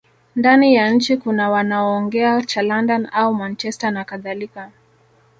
Ndani ya nchi kuna wanaoongea cha London au Manchester nakadhalika